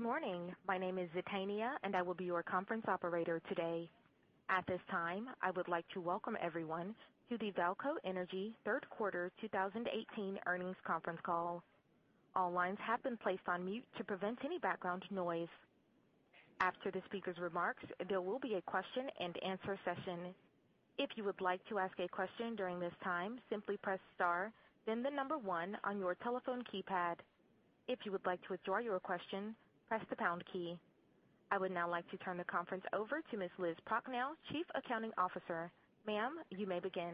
Morning. My name is Zetania, I will be your conference operator today. At this time, I would like to welcome everyone to the VAALCO Energy third quarter 2018 earnings conference call. All lines have been placed on mute to prevent any background noise. After the speaker's remarks, there will be a question-and-answer session. If you would like to ask a question during this time, simply press star, then the number 1 on your telephone keypad. If you would like to withdraw your question, press the pound key. I would now like to turn the conference over to Ms. Elizabeth Prochnow, Chief Accounting Officer. Ma'am, you may begin.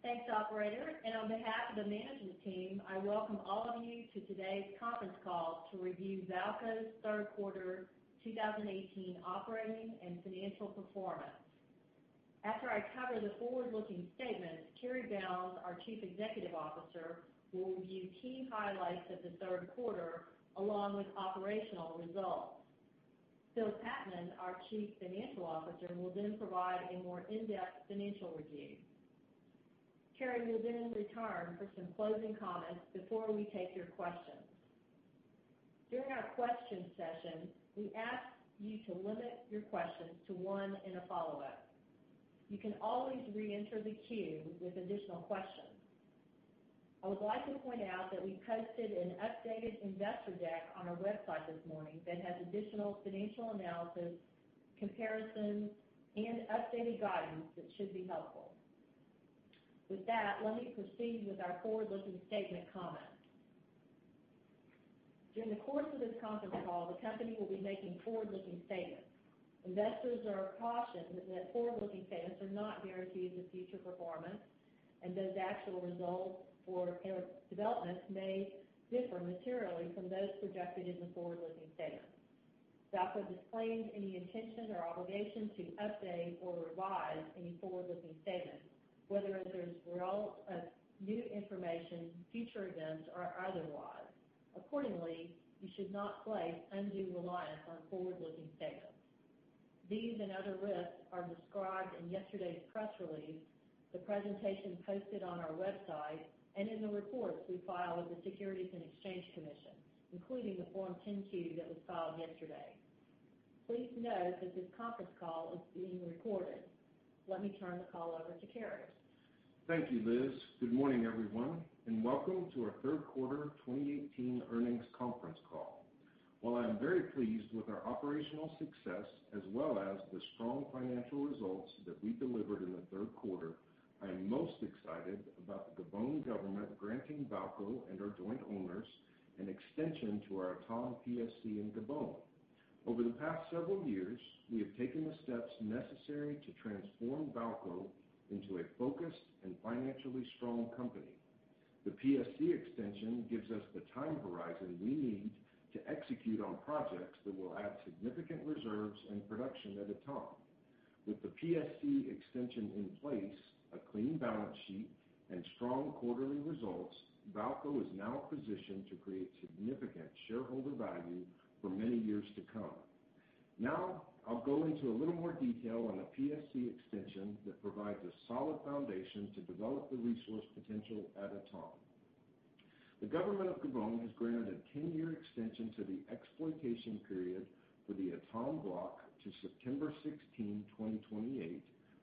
Thanks, operator. On behalf of the management team, I welcome all of you to today's conference call to review VAALCO's third quarter 2018 operating and financial performance. After I cover the forward-looking statements, Cary Bounds, our Chief Executive Officer, will review key highlights of the third quarter, along with operational results. Phil Patman, our Chief Financial Officer, will provide a more in-depth financial review. Cary will return for some closing comments before we take your questions. During our question session, we ask you to limit your questions to one and a follow-up. You can always reenter the queue with additional questions. I would like to point out that we posted an updated investor deck on our website this morning that has additional financial analysis, comparisons, and updated guidance that should be helpful. With that, let me proceed with our forward-looking statement comments. During the course of this conference call, the company will be making forward-looking statements. Investors are cautioned that forward-looking statements are not guarantees of future performance and those actual results or developments may differ materially from those projected in the forward-looking statements. VAALCO disclaims any intention or obligation to update or revise any forward-looking statements, whether as a result of new information, future events, or otherwise. Accordingly, you should not place undue reliance on forward-looking statements. These and other risks are described in yesterday's press release, the presentation posted on our website, and in the reports we file with the Securities and Exchange Commission, including the Form 10-Q that was filed yesterday. Please note that this conference call is being recorded. Let me turn the call over to Cary. Thank you, Liz. Good morning, everyone, welcome to our third quarter 2018 earnings conference call. While I am very pleased with our operational success as well as the strong financial results that we delivered in the third quarter, I am most excited about the Gabon government granting VAALCO and our joint owners an extension to our Etame PSC in Gabon. Over the past several years, we have taken the steps necessary to transform VAALCO into a focused and financially strong company. The PSC extension gives us the time horizon we need to execute on projects that will add significant reserves and production at Etame. With the PSC extension in place, a clean balance sheet, strong quarterly results, VAALCO is now positioned to create significant shareholder value for many years to come. I'll go into a little more detail on the PSC extension that provides a solid foundation to develop the resource potential at Etame. The government of Gabon has granted a 10-year extension to the exploitation period for the Etame block to September 16, 2028,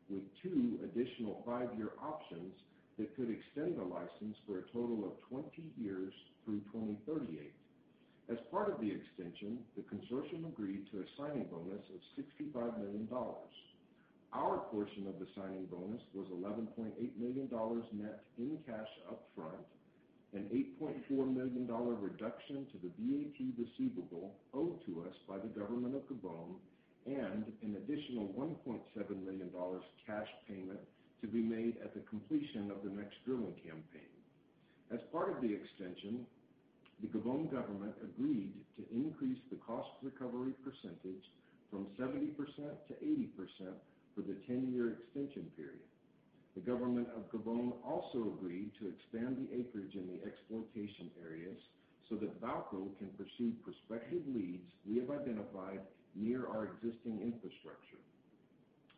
with 2 additional 5-year options that could extend the license for a total of 20 years through 2038. As part of the extension, the consortium agreed to a signing bonus of $65 million. Our portion of the signing bonus was $11.8 million net in cash upfront, an $8.4 million reduction to the VAT receivable owed to us by the government of Gabon, and an additional $1.7 million cash payment to be made at the completion of the next drilling campaign. As part of the extension, the Gabon government agreed to increase the cost recovery percentage from 70% to 80% for the 10-year extension period. The government of Gabon also agreed to expand the acreage in the exploitation areas so that VAALCO can pursue prospective leads we have identified near our existing infrastructure.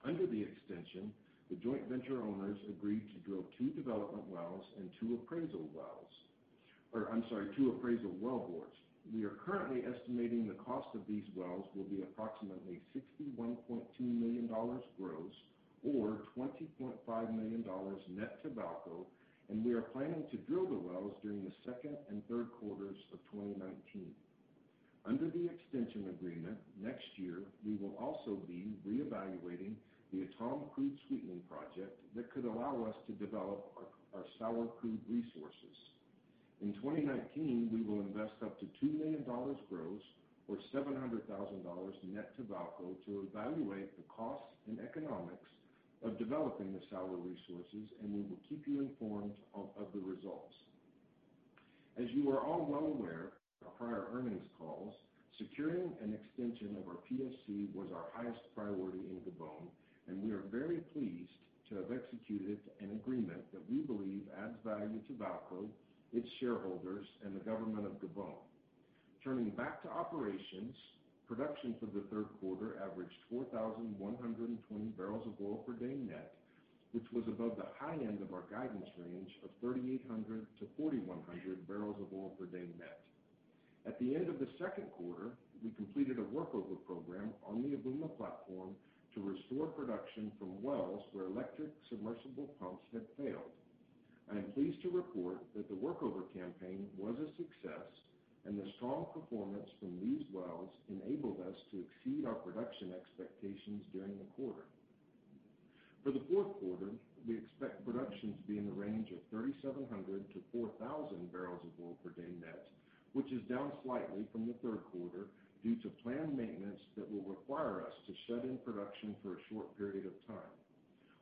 Under the extension, the joint venture owners agreed to drill 2 development wells and 2 appraisal well bores. We are currently estimating the cost of these wells will be approximately $61.2 million gross or $20.5 million net to VAALCO, and we are planning to drill the wells during the 2nd and 3rd quarters of 2019. Under the extension agreement, next year, we will also be reevaluating the Etame crude sweetening project that could allow us to develop our sour crude resources. In 2019, we will invest up to $2 million gross, or $700,000 net to VAALCO to evaluate the costs and economics of developing the sour resources, and we will keep you informed of the results. As you are all well aware of our prior earnings calls, securing an extension of our PSC was our highest priority in Gabon, and we are very pleased to have executed an agreement that we believe adds value to VAALCO, its shareholders, and the government of Gabon. Turning back to operations, production for the 3rd quarter averaged 4,120 barrels of oil per day net. Which was above the high end of our guidance range of 3,800-4,100 barrels of oil per day net. At the end of the 2nd quarter, we completed a workover program on the Ebouri platform to restore production from wells where electric submersible pumps had failed. I am pleased to report that the workover campaign was a success, and the strong performance from these wells enabled us to exceed our production expectations during the quarter. For the 4th quarter, we expect production to be in the range of 3,700-4,000 barrels of oil per day net, which is down slightly from the 3rd quarter due to planned maintenance that will require us to shut in production for a short period of time.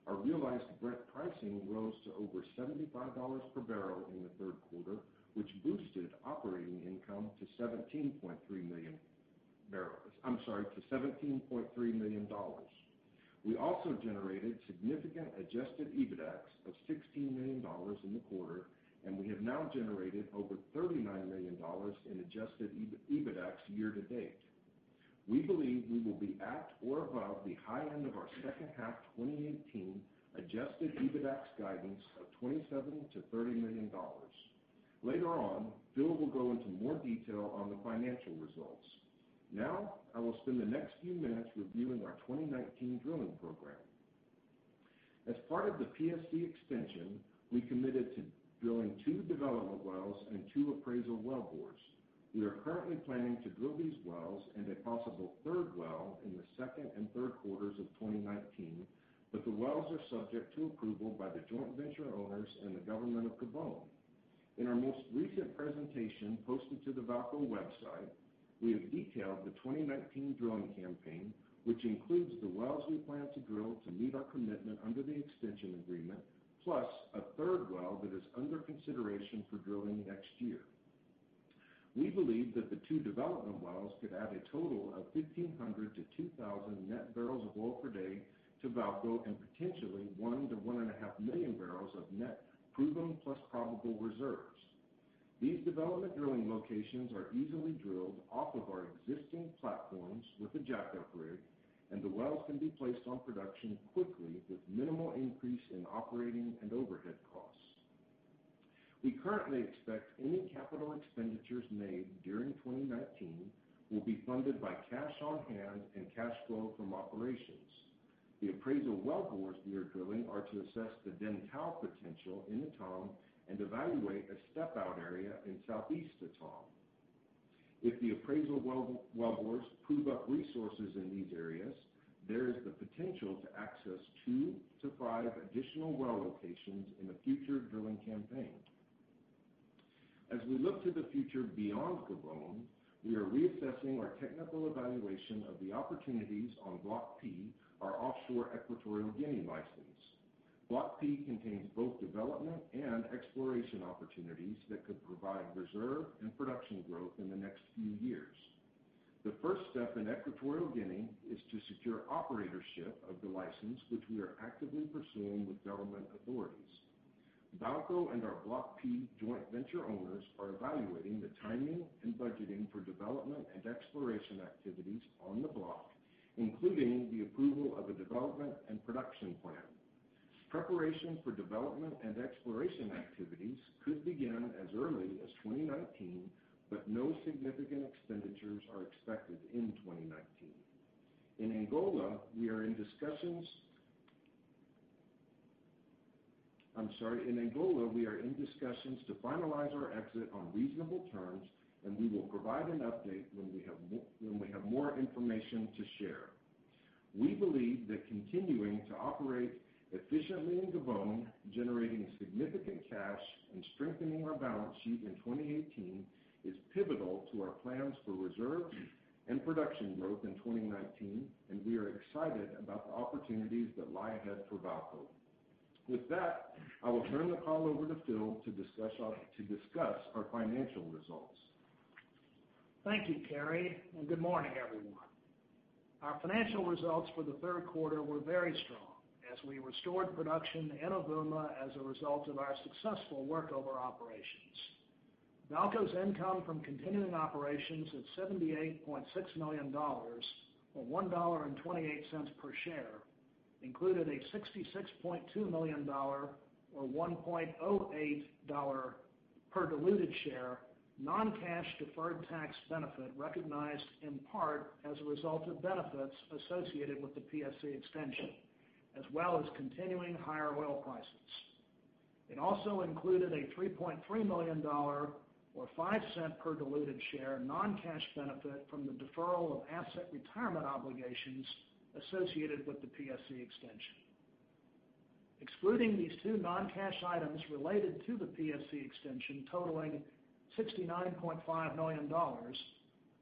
Our realized Brent pricing rose to over $75 per barrel in the 3rd quarter, which boosted operating income to $17.3 million. We also generated significant adjusted EBITDAX of $16 million in the quarter, and we have now generated over $39 million in adjusted EBITDAX year to date. We believe we will be at or above the high end of our 2nd half 2018 adjusted EBITDAX guidance of $27 million-$30 million. Later on, Phil Patman will go into more detail on the financial results. I will spend the next few minutes reviewing our 2019 drilling program. As part of the PSC extension, we committed to drilling two development wells and two appraisal wellbores. We are currently planning to drill these wells and a possible third well in the second and third quarters of 2019, but the wells are subject to approval by the joint venture owners and the government of Gabon. In our most recent presentation posted to the VAALCO website, we have detailed the 2019 drilling campaign, which includes the wells we plan to drill to meet our commitment under the extension agreement, plus a third well that is under consideration for drilling next year. We believe that the two development wells could add a total of 1,500-2,000 net barrels of oil per day to VAALCO and potentially one to 1.5 million barrels of net proven plus probable reserves. These development drilling locations are easily drilled off of our existing platforms with a jackup rig, and the wells can be placed on production quickly with minimal increase in operating and overhead costs. We currently expect any capital expenditures made during 2019 will be funded by cash on hand and cash flow from operations. The appraisal wellbores we are drilling are to assess the Dentale potential in Etame and evaluate a step-out area in southeast Etame. If the appraisal wellbores prove up resources in these areas, there is the potential to access two to five additional well locations in a future drilling campaign. As we look to the future beyond Gabon, we are reassessing our technical evaluation of the opportunities on Block P, our offshore Equatorial Guinea license. Block P contains both development and exploration opportunities that could provide reserve and production growth in the next few years. The first step in Equatorial Guinea is to secure operatorship of the license, which we are actively pursuing with government authorities. VAALCO and our Block P joint venture owners are evaluating the timing and budgeting for development and exploration activities on the block, including the approval of a development and production plan. Preparation for development and exploration activities could begin as early as 2019, but no significant expenditures are expected in 2019. In Angola, we are in discussions to finalize our exit on reasonable terms, and we will provide an update when we have more information to share. We believe that continuing to operate efficiently in Gabon, generating significant cash and strengthening our balance sheet in 2018 is pivotal to our plans for reserve and production growth in 2019, and we are excited about the opportunities that lie ahead for VAALCO. With that, I will turn the call over to Phil to discuss our financial results. Thank you, Cary, and good morning, everyone. Our financial results for the third quarter were very strong as we restored production in Ebouri as a result of our successful workover operations. VAALCO's income from continuing operations at $78.6 million, or $1.28 per share, included a $66.2 million, or $1.08 per diluted share, non-cash deferred tax benefit recognized in part as a result of benefits associated with the PSC extension, as well as continuing higher oil prices. It also included a $3.3 million, or $0.05 per diluted share, non-cash benefit from the deferral of asset retirement obligations associated with the PSC extension. Excluding these two non-cash items related to the PSC extension totaling $69.5 million,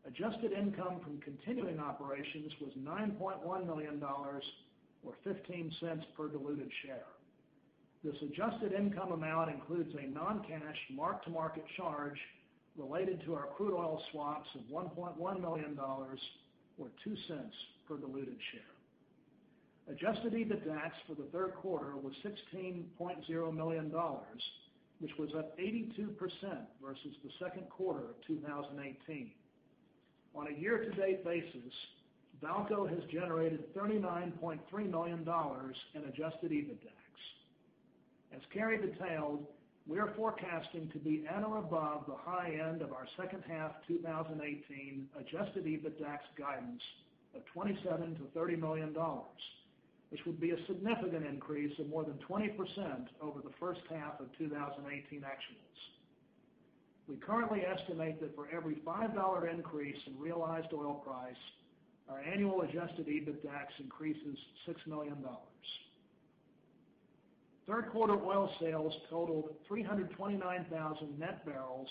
adjusted income from continuing operations was $9.1 million, or $0.15 per diluted share. This adjusted income amount includes a non-cash mark-to-market charge related to our crude oil swaps of $1.1 million, or $0.02 per diluted share. Adjusted EBITDAX for the third quarter was $16.0 million, which was up 82% versus the second quarter of 2018. On a year-to-date basis, VAALCO has generated $39.3 million in adjusted EBITDAX. As Cary detailed, we are forecasting to be at or above the high end of our second half 2018 adjusted EBITDAX guidance of $27 million-$30 million, which would be a significant increase of more than 20% over the first half of 2018 actuals. We currently estimate that for every $5 increase in realized oil price, our annual adjusted EBITDAX increases $6 million. Third quarter oil sales totaled 329,000 net barrels,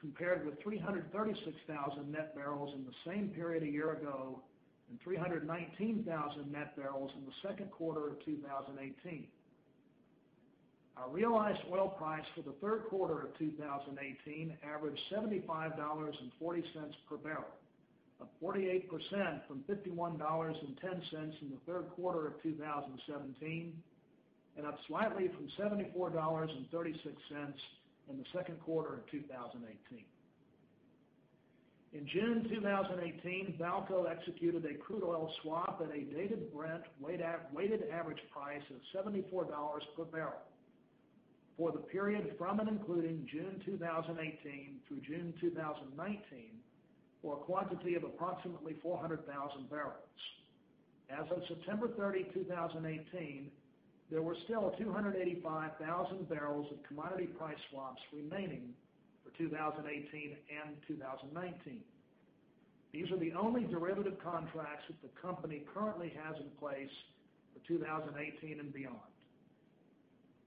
compared with 336,000 net barrels in the same period a year ago and 319,000 net barrels in the second quarter of 2018. Our realized oil price for the third quarter of 2018 averaged $75.40 per barrel, up 48% from $51.10 in the third quarter of 2017, and up slightly from $74.36 in the second quarter of 2018. In June 2018, VAALCO executed a crude oil swap at a dated Brent weighted average price of $74 per barrel for the period from and including June 2018 through June 2019 for a quantity of approximately 400,000 barrels. As of September 30, 2018, there were still 285,000 barrels of commodity price swaps remaining for 2018 and 2019. These are the only derivative contracts that the company currently has in place for 2018 and beyond.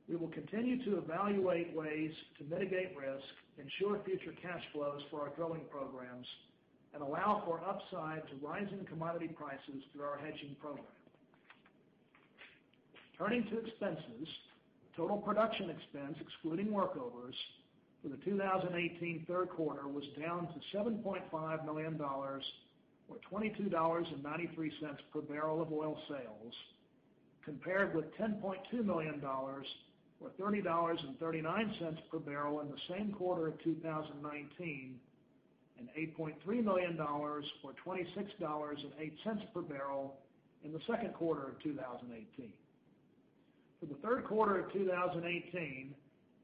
We will continue to evaluate ways to mitigate risk, ensure future cash flows for our drilling programs, and allow for upside to rising commodity prices through our hedging program. Turning to expenses, total production expense excluding workovers for the 2018 third quarter was down to $7.5 million or $22.93 per barrel of oil sales, compared with $10.2 million or $30.39 per barrel in the same quarter of 2017 and $8.3 million or $26.08 per barrel in the second quarter of 2018. For the third quarter of 2018,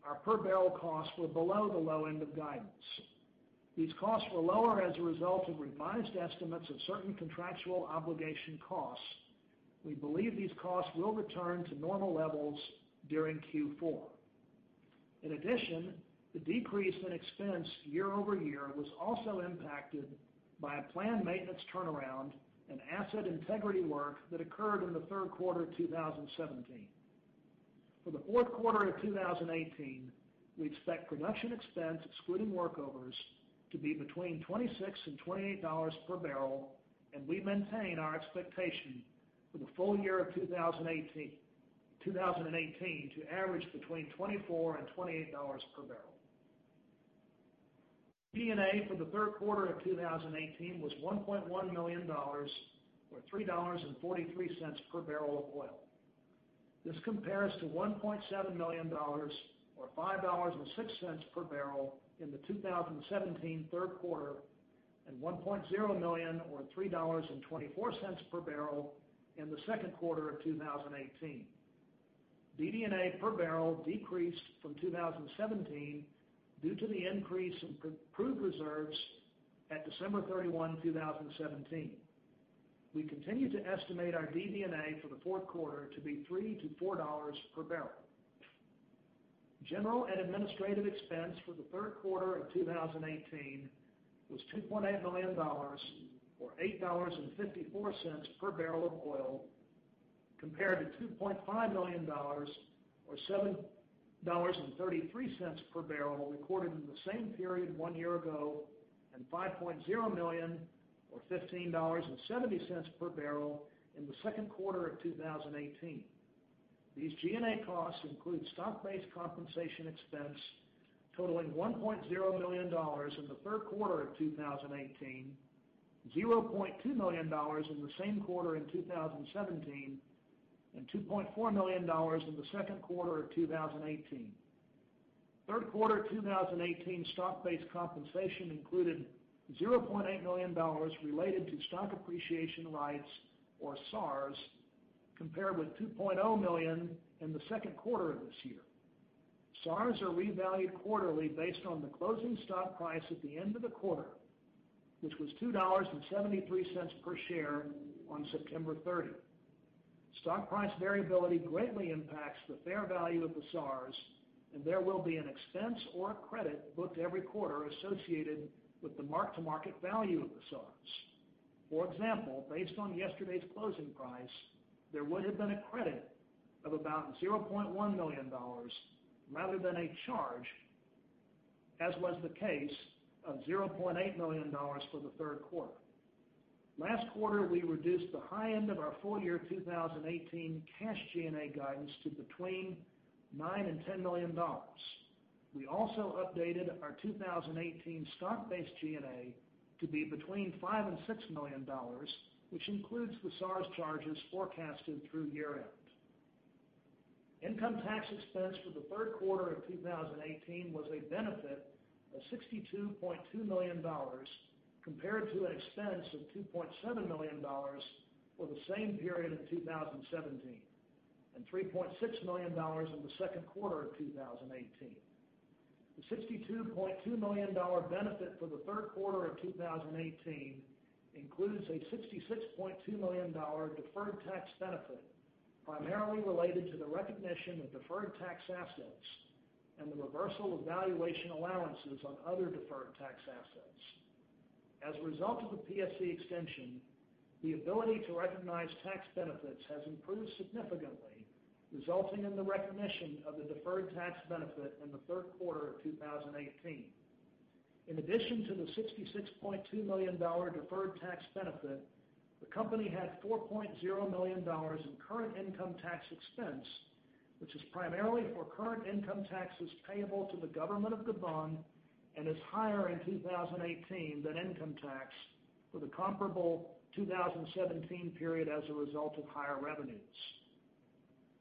our per-barrel costs were below the low end of guidance. These costs were lower as a result of revised estimates of certain contractual obligation costs. We believe these costs will return to normal levels during Q4. In addition, the decrease in expense year-over-year was also impacted by a planned maintenance turnaround and asset integrity work that occurred in the third quarter of 2017. For the fourth quarter of 2018, we expect production expense excluding workovers to be between $26 and $28 per barrel, and we maintain our expectation for the full year of 2018 to average between $24 and $28 per barrel. DD&A for the third quarter of 2018 was $1.1 million or $3.43 per barrel of oil. This compares to $1.7 million or $5.06 per barrel in the 2017 third quarter and $1.0 million or $3.24 per barrel in the second quarter of 2018. DD&A per barrel decreased from 2017 due to the increase in proved reserves at December 31, 2017. We continue to estimate our DD&A for the fourth quarter to be $3 to $4 per barrel. General and administrative expense for the third quarter of 2018 was $2.8 million or $8.54 per barrel of oil, compared to $2.5 million or $7.33 per barrel recorded in the same period one year ago and $5.0 million or $15.70 per barrel in the second quarter of 2018. These G&A costs include stock-based compensation expense totaling $1.0 million in the third quarter of 2018, $0.2 million in the same quarter in 2017, and $2.4 million in the second quarter of 2018. Third quarter 2018 stock-based compensation included $0.8 million related to Stock Appreciation Rights or SARs, compared with $2.0 million in the second quarter of this year. SARs are revalued quarterly based on the closing stock price at the end of the quarter, which was $2.73 per share on September 30. Stock price variability greatly impacts the fair value of the SARs, and there will be an expense or a credit booked every quarter associated with the mark-to-market value of the SARs. For example, based on yesterday's closing price, there would have been a credit of about $0.1 million rather than a charge, as was the case of $0.8 million for the third quarter. Last quarter, we reduced the high end of our full-year 2018 cash G&A guidance to between $9 million and $10 million. We also updated our 2018 stock-based G&A to be between $5 million and $6 million, which includes the SARs charges forecasted through year-end. Income tax expense for the third quarter of 2018 was a benefit of $62.2 million compared to an expense of $2.7 million for the same period in 2017, and $3.6 million in the second quarter of 2018. The $62.2 million benefit for the third quarter of 2018 includes a $66.2 million deferred tax benefit, primarily related to the recognition of deferred tax assets and the reversal of valuation allowances on other deferred tax assets. As a result of the PSC extension, the ability to recognize tax benefits has improved significantly, resulting in the recognition of the deferred tax benefit in the third quarter of 2018. In addition to the $66.2 million deferred tax benefit, the company had $4.0 million in current income tax expense, which is primarily for current income taxes payable to the government of Gabon and is higher in 2018 than income tax for the comparable 2017 period as a result of higher revenues.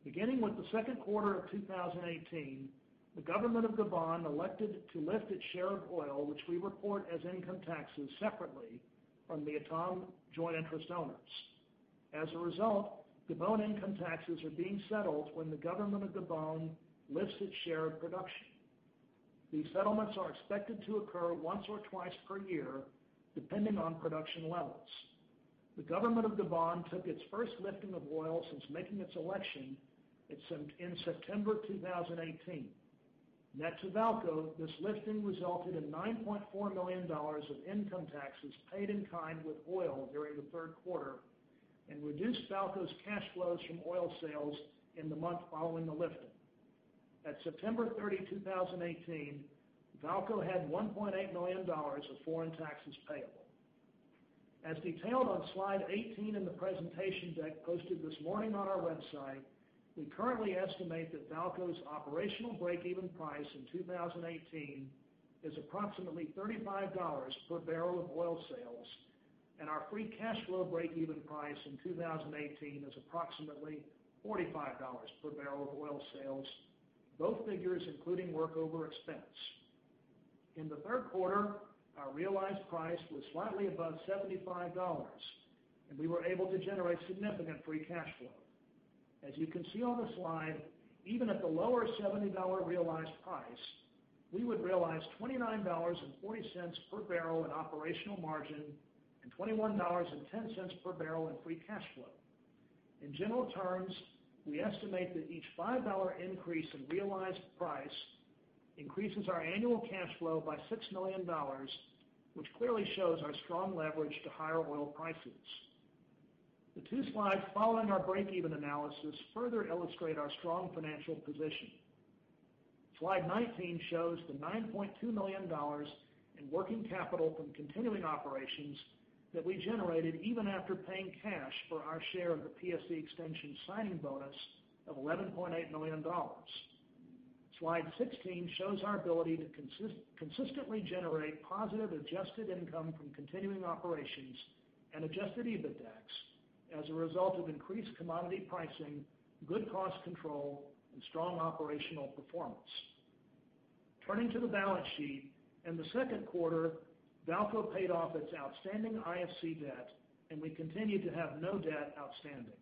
Beginning with the second quarter of 2018, the government of Gabon elected to lift its share of oil, which we report as income taxes separately from the Etame joint interest owners. As a result, Gabon income taxes are being settled when the government of Gabon lifts its share of production. These settlements are expected to occur once or twice per year, depending on production levels. The government of Gabon took its first lifting of oil since making its election in September 2018. Net to VAALCO, this lifting resulted in $9.4 million of income taxes paid in kind with oil during the third quarter and reduced VAALCO's cash flows from oil sales in the month following the lifting. At September 30, 2018, VAALCO had $1.8 million of foreign taxes payable. As detailed on slide 18 in the presentation deck posted this morning on our website, we currently estimate that VAALCO's operational break-even price in 2018 is approximately $35 per barrel of oil sales, and our free cash flow break-even price in 2018 is approximately $45 per barrel of oil sales, both figures including workover expense. In the third quarter, our realized price was slightly above $75, and we were able to generate significant free cash flow. As you can see on the slide, even at the lower $70 realized price, we would realize $29.40 per barrel in operational margin and $21.10 per barrel in free cash flow. In general terms, we estimate that each $5 increase in realized price increases our annual cash flow by $6 million, which clearly shows our strong leverage to higher oil prices. The two slides following our break-even analysis further illustrate our strong financial position. Slide 19 shows the $9.2 million in working capital from continuing operations that we generated even after paying cash for our share of the PSC extension signing bonus of $11.8 million. Slide 16 shows our ability to consistently generate positive adjusted income from continuing operations and adjusted EBITDAX as a result of increased commodity pricing, good cost control, and strong operational performance. Turning to the balance sheet, in the second quarter, VAALCO paid off its outstanding IFC debt, and we continue to have no debt outstanding.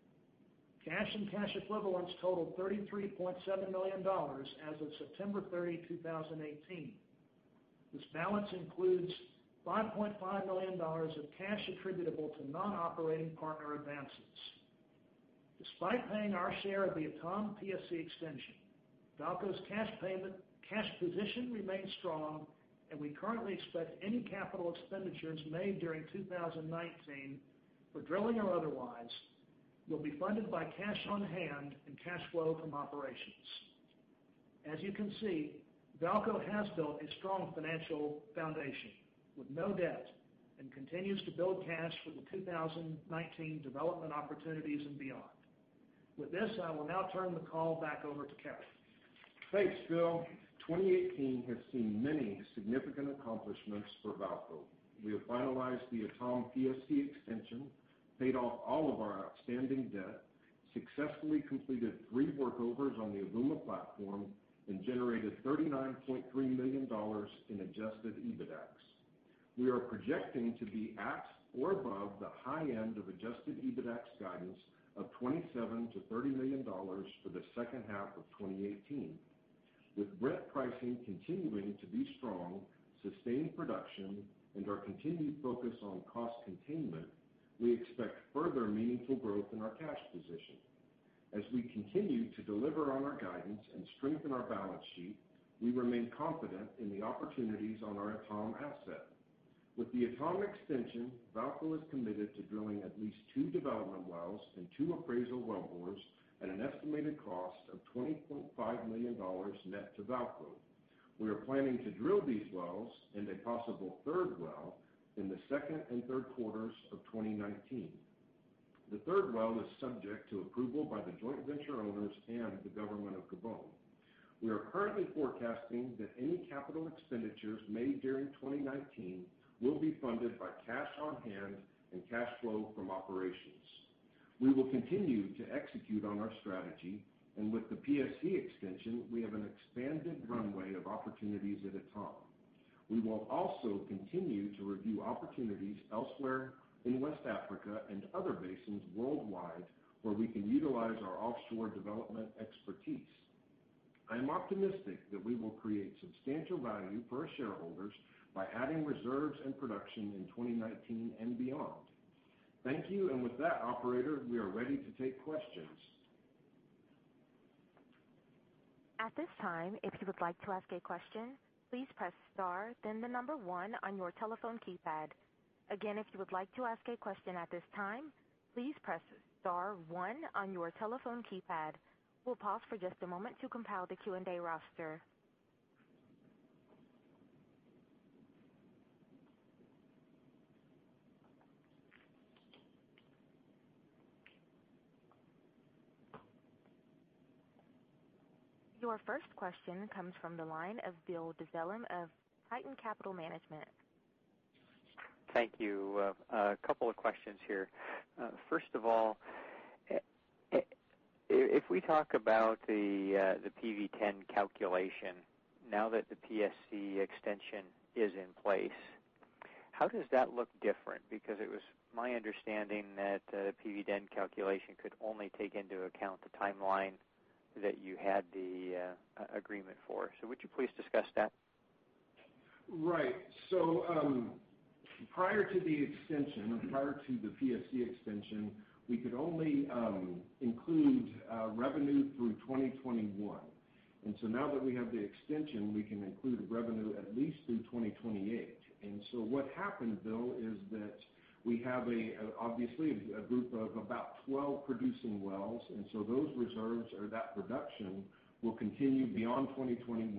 Cash and cash equivalents totaled $33.7 million as of September 30, 2018. This balance includes $5.5 million of cash attributable to non-operating partner advances. Despite paying our share of the Etame PSC extension, VAALCO's cash position remains strong, and we currently expect any capital expenditures made during 2019 for drilling or otherwise will be funded by cash on hand and cash flow from operations. As you can see, VAALCO has built a strong financial foundation with no debt and continues to build cash for the 2019 development opportunities and beyond. With this, I will now turn the call back over to Cary. Thanks, Phil. 2018 has seen many significant accomplishments for VAALCO. We have finalized the Etame PSC extension, paid off all of our outstanding debt, successfully completed three workovers on the Avouma platform, and generated $39.3 million in adjusted EBITDAX. We are projecting to be at or above the high end of adjusted EBITDAX guidance of $27 million-$30 million for the second half of 2018. With Brent pricing continuing to be strong, sustained production, and our continued focus on cost containment, we expect further meaningful growth in our cash position. As we continue to deliver on our guidance and strengthen our balance sheet, we remain confident in the opportunities on our Etame asset. With the Etame extension, VAALCO is committed to drilling at least two development wells and two appraisal wellbores at an estimated cost of $20.5 million net to VAALCO. We are planning to drill these wells and a possible third well in the second and third quarters of 2019. The third well is subject to approval by the joint venture owners and the government of Gabon. We are currently forecasting that any capital expenditures made during 2019 will be funded by cash on hand and cash flow from operations. We will continue to execute on our strategy, and with the PSC extension, we have an expanded runway of opportunities at Etame. We will also continue to review opportunities elsewhere in West Africa and other basins worldwide where we can utilize our offshore development expertise. I am optimistic that we will create substantial value for our shareholders by adding reserves and production in 2019 and beyond. Thank you. With that, operator, we are ready to take questions. At this time, if you would like to ask a question, please press star, then number 1 on your telephone keypad. Again, if you would like to ask a question at this time, please press star 1 on your telephone keypad. We'll pause for just a moment to compile the Q&A roster. Your first question comes from the line of Bill Dezellem of Tieton Capital Management. Thank you. A couple of questions here. First of all, if we talk about the PV-10 calculation, now that the PSC extension is in place, how does that look different? Because it was my understanding that the PV-10 calculation could only take into account the timeline that you had the agreement for. Would you please discuss that? Right. Prior to the extension, prior to the PSC extension, we could only include revenue through 2021. Now that we have the extension, we can include revenue at least through 2028. What happened, Bill, is that we have obviously a group of about 12 producing wells, and those reserves or that production will continue beyond 2021.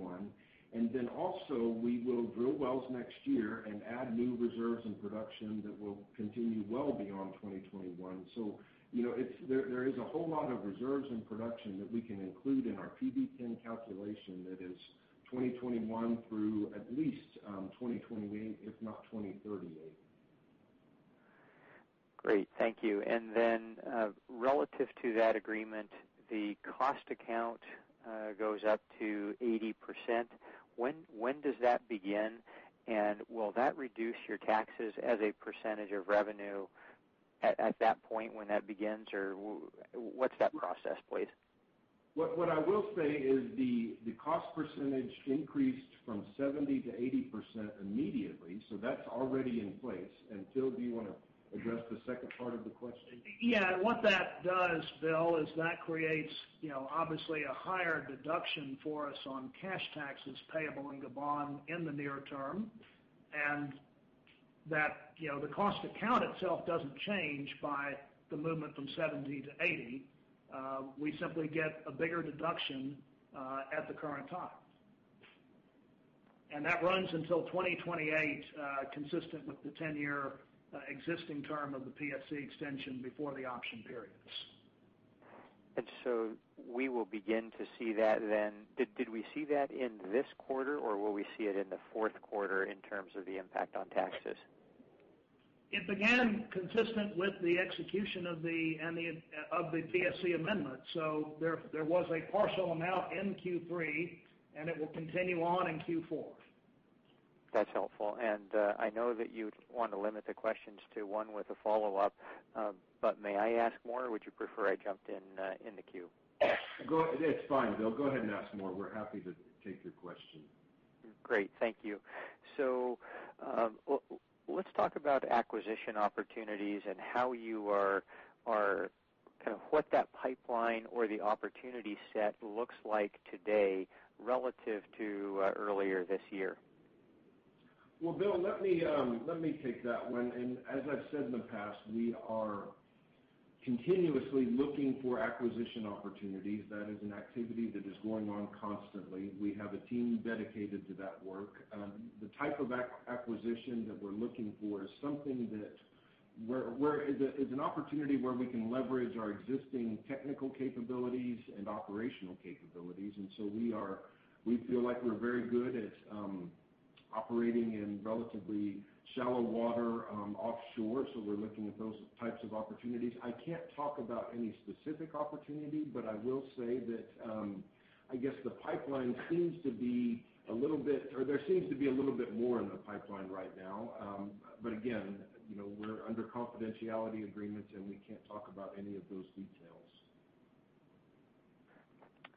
Also we will drill wells next year and add new reserves and production that will continue well beyond 2021. There is a whole lot of reserves in production that we can include in our PV-10 calculation. That is 2021 through at least 2028, if not 2038. Great. Thank you. Relative to that agreement, the cost account goes up to 80%. When does that begin, and will that reduce your taxes as a percentage of revenue at that point when that begins, or what's that process, please? What I will say is the cost percentage increased from 70% to 80% immediately. That's already in place. Phil, do you want to address the second part of the question? Yeah. What that does, Bill, is that creates obviously a higher deduction for us on cash taxes payable in Gabon in the near term, and that the cost account itself doesn't change by the movement from 70 to 80. We simply get a bigger deduction at the current time. That runs until 2028, consistent with the 10-year existing term of the PSC extension before the option periods. We will begin to see that then. Did we see that in this quarter, or will we see it in the fourth quarter in terms of the impact on taxes? It began consistent with the execution of the Etame PSC amendment. There was a partial amount in Q3, and it will continue on in Q4. That's helpful. I know that you'd want to limit the questions to one with a follow-up, but may I ask more, or would you prefer I jumped in the queue? It's fine, Bill. Go ahead and ask more. We're happy to take your question. Great. Thank you. Let's talk about acquisition opportunities and what that pipeline or the opportunity set looks like today relative to earlier this year. Well, Bill, let me take that one. As I've said in the past, we are continuously looking for acquisition opportunities. That is an activity that is going on constantly. We have a team dedicated to that work. The type of acquisition that we're looking for is an opportunity where we can leverage our existing technical capabilities and operational capabilities. We feel like we're very good at operating in relatively shallow water offshore. We're looking at those types of opportunities. I can't talk about any specific opportunity, but I will say that I guess the pipeline seems to be a little bit more in the pipeline right now. Again, we're under confidentiality agreements, and we can't talk about any of those details.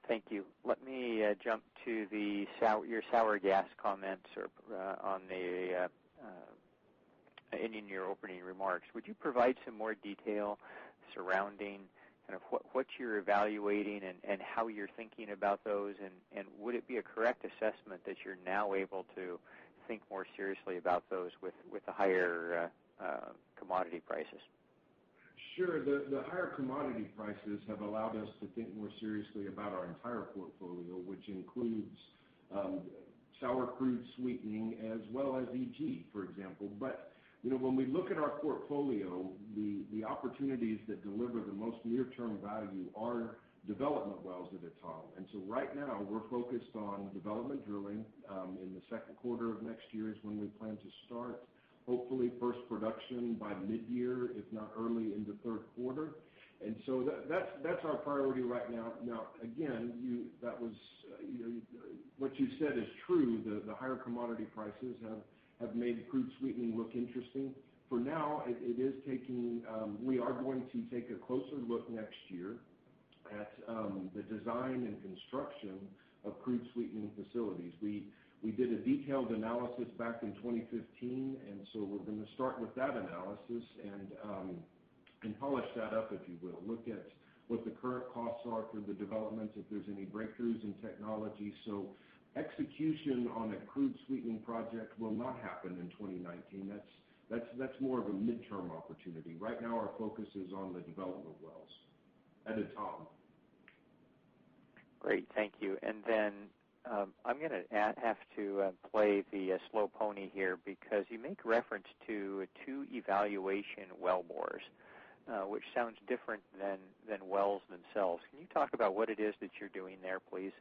Thank you. Let me jump to your sour gas comments in your opening remarks. Would you provide some more detail surrounding what you're evaluating and how you're thinking about those? Would it be a correct assessment that you're now able to think more seriously about those with the higher commodity prices? Sure. The higher commodity prices have allowed us to think more seriously about our entire portfolio, which includes sour crude sweetening as well as EG, for example. When we look at our portfolio, the opportunities that deliver the most near-term value are development wells at Etame. Right now we're focused on development drilling, in the second quarter of next year is when we plan to start. Hopefully, first production by mid-year, if not early in the third quarter. That's our priority right now. Again, what you said is true, the higher commodity prices have made crude sweetening look interesting. For now, we are going to take a closer look next year at the design and construction of crude sweetening facilities. We did a detailed analysis back in 2015, we're going to start with that analysis and polish that up, if you will. Look at what the current costs are for the development, if there's any breakthroughs in technology. Execution on a crude sweetening project will not happen in 2019. That's more of a midterm opportunity. Right now our focus is on the development wells at Etame. Great, thank you. I'm going to have to play the slow pony here because you make reference to two evaluation wellbores, which sounds different than wells themselves. Can you talk about what it is that you're doing there, please?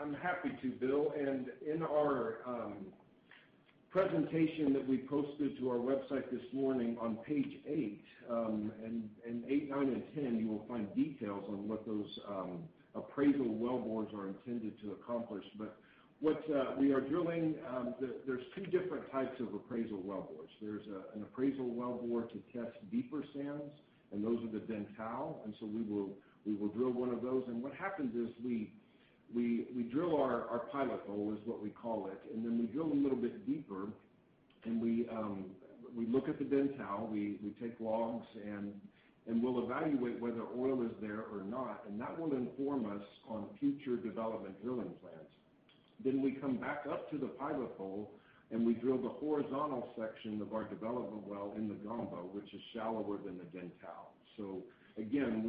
I'm happy to, Bill, in our presentation that we posted to our website this morning on page eight, nine, and 10, you will find details on what those appraisal wellbores are intended to accomplish. We are drilling, there's two different types of appraisal wellbores. There's an appraisal wellbore to test deeper sands, and those are the Dentale. We will drill one of those. What happens is we drill our pilot hole is what we call it, then we drill a little bit deeper, and we look at the Dentale, we take logs, and we'll evaluate whether oil is there or not, and that will inform us on future development drilling plans. We come back up to the pilot hole, and we drill the horizontal section of our development well in the Gamba, which is shallower than the Dentale. Again,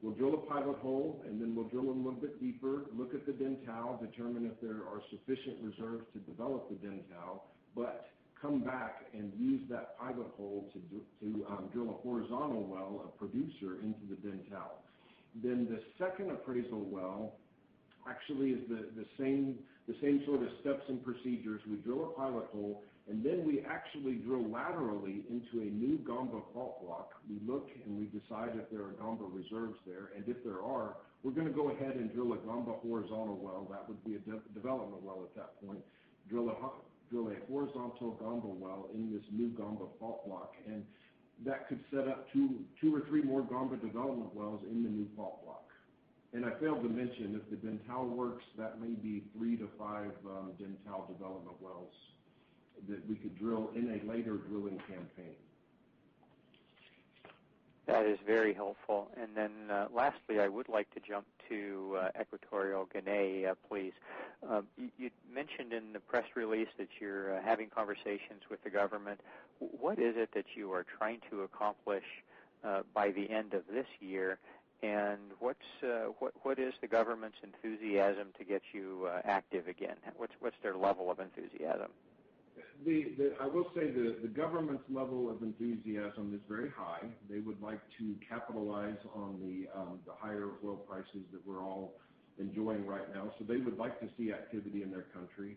we'll drill a pilot hole, we'll drill a little bit deeper, look at the Dentale, determine if there are sufficient reserves to develop the Dentale, come back and use that pilot hole to drill a horizontal well, a producer into the Dentale. The second appraisal well actually is the same sort of steps and procedures. We drill a pilot hole, we actually drill laterally into a new Gamba fault block. We look and we decide if there are Gamba reserves there. If there are, we're going to go ahead and drill a Gamba horizontal well, that would be a development well at that point. Drill a horizontal Gamba well in this new Gamba fault block, and that could set up two or three more Gamba development wells in the new fault block. I failed to mention if the Dentale works, that may be three to five Dentale development wells that we could drill in a later drilling campaign. That is very helpful. Lastly, I would like to jump to Equatorial Guinea, please. You'd mentioned in the press release that you're having conversations with the government. What is it that you are trying to accomplish by the end of this year, and what is the government's enthusiasm to get you active again? What's their level of enthusiasm? I will say the government's level of enthusiasm is very high. They would like to capitalize on the higher oil prices that we're all enjoying right now. They would like to see activity in their country.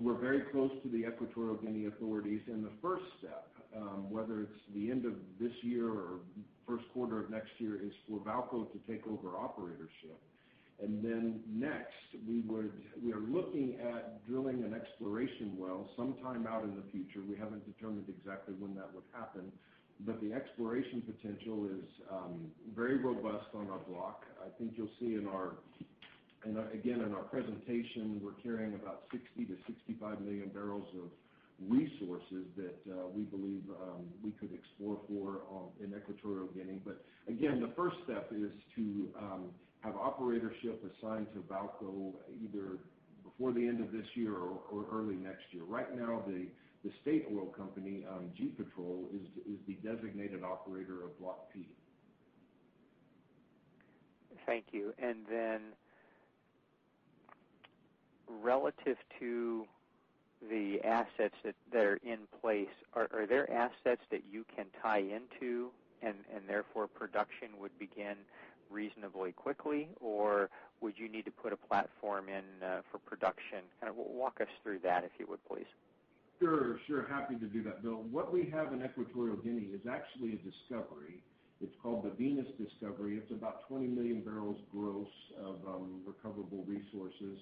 We're very close to the Equatorial Guinea authorities, the first step, whether it's the end of this year or first quarter of next year, is for VAALCO to take over operatorship. Next, we are looking at drilling an exploration well sometime out in the future. We haven't determined exactly when that would happen. The exploration potential is very robust on our block. I think you'll see again in our presentation, we're carrying about 60-65 million barrels of resources that we believe we could explore for in Equatorial Guinea. Again, the first step is to have operatorship assigned to VAALCO either before the end of this year or early next year. Right now, the state oil company, GEPetrol, is the designated operator of Block P. Thank you. Then relative to the assets that are in place, are there assets that you can tie into and therefore production would begin reasonably quickly, or would you need to put a platform in for production? Walk us through that, if you would please. Sure. Happy to do that, Bill. What we have in Equatorial Guinea is actually a discovery. It's called the Venus discovery. It's about 20 million barrels gross of recoverable resources.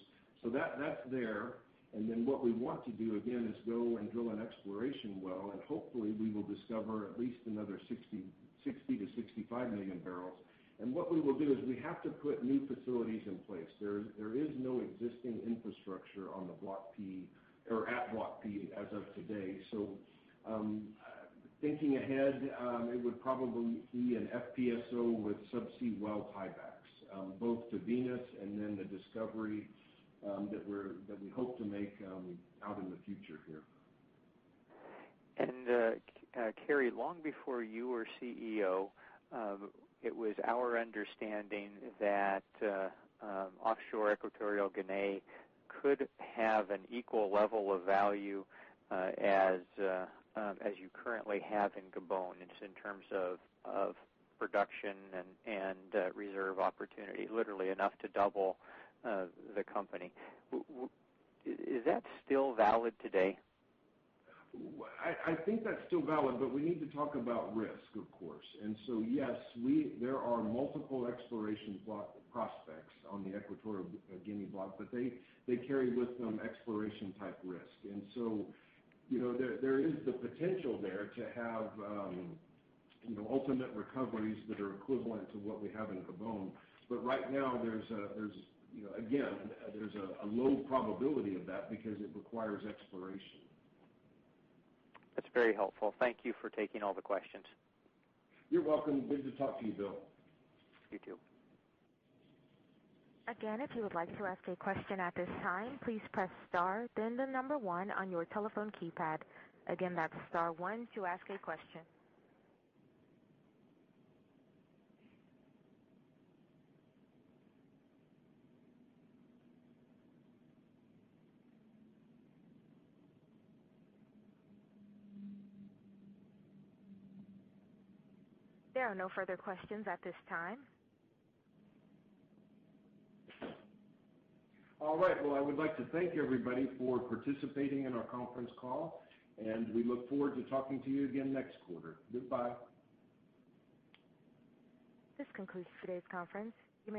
That's there. Then what we want to do again is go and drill an exploration well, and hopefully we will discover at least another 60 to 65 million barrels. What we will do is we have to put new facilities in place. There is no existing infrastructure at Block P as of today. Thinking ahead, it would probably be an FPSO with subsea well tiebacks, both to Venus and then the discovery that we hope to make out in the future here. Cary, long before you were CEO, it was our understanding that offshore Equatorial Guinea could have an equal level of value as you currently have in Gabon, just in terms of production and reserve opportunity, literally enough to double the company. Is that still valid today? I think that's still valid, but we need to talk about risk, of course. Yes, there are multiple exploration prospects on the Equatorial Guinea block, but they carry with them exploration type risk. There is the potential there to have ultimate recoveries that are equivalent to what we have in Gabon. Right now there's a low probability of that because it requires exploration. That's very helpful. Thank you for taking all the questions. You're welcome. Good to talk to you, Bill. You too. Again, if you would like to ask a question at this time, please press star then the number one on your telephone keypad. Again, that's star one to ask a question. There are no further questions at this time. All right. Well, I would like to thank everybody for participating in our conference call, and we look forward to talking to you again next quarter. Goodbye. This concludes today's conference. You may.